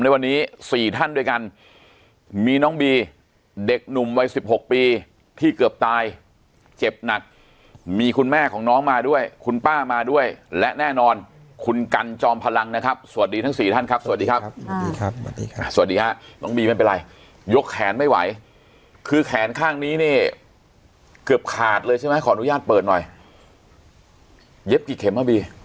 ในวันนี้สี่ท่านด้วยกันมีน้องบีเด็กหนุ่มวัยสิบหกปีที่เกือบตายเจ็บหนักมีคุณแม่ของน้องมาด้วยคุณป้ามาด้วยและแน่นอนคุณกันจอมพลังนะครับสวัสดีทั้งสี่ท่านครับสวัสดีครับสวัสดีค่ะสวัสดีฮะน้องบีไม่เป็นไรยกแขนไม่ไหวคือแขนข้างนี้นี่เกือบขาดเลยใช่ไหมขออนุญาตเปิดหน่อยเย็บกี่เข็มอ่ะบี